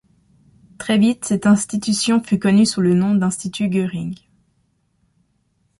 Très vite, cette institution fut connue sous le nom d'Institut Göring.